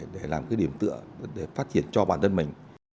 để làm cái điểm tựa để phát triển cho bản thân mình